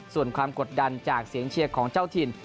ส่วนความกดดันจากเสียงเชียร์ของเจ้าถิ่น